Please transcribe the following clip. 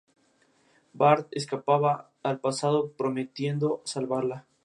Bart escapa al pasado, prometiendo salvarla.